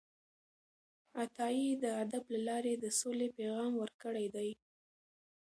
عطايي د ادب له لارې د سولې پیغام ورکړی دی